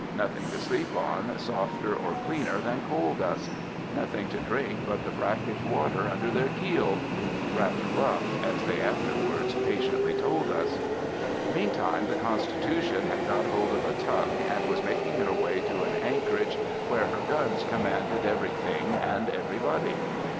Nothing to sleep on softer or cleaner than coal dust. Nothing to drink but the brackish water under their keel. "Rather rough!" as they afterward patiently told us. Meantime the Constitution had got hold of a tug, and was making her way to an anchorage where her guns commanded everything and everybody.